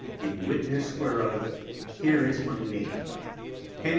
In Witness whereof, here is my Name, Dec.